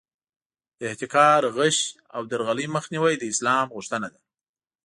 د احتکار، غش او درغلۍ مخنیوی د اسلام غوښتنه ده.